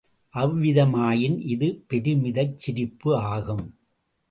அவ்விதமாயின் இது பெருமிதச் சிரிப்பு ஆகும்.